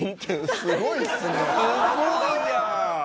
すごいじゃん！